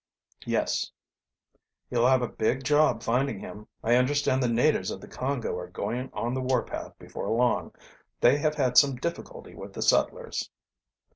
"Yes." "You'll have a big job finding him. I understand the natives of the Congo are going on the warpath before long. They have had some difficulty with the settlers."